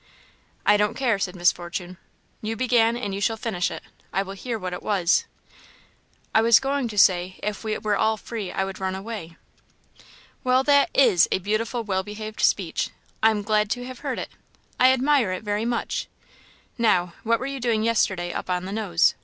"I don't care," said Miss Fortune; "you began, and you shall finish it. I will hear what it was." "I was going to say, if we were all free I would run away." "Well, that is a beautiful, well behaved speech! I am glad to have heard it. I admire it very much. Now, what were you doing yesterday up on the Nose?